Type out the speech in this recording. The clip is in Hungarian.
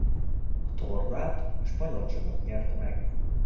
A tornát a spanyol csapat nyerte meg.